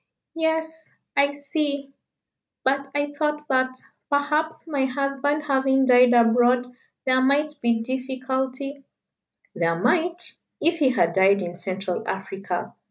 "Yes I see but I thought that, perhaps, my husband having died abroad there might be difficulty " "There might, if he had died in Central Africa.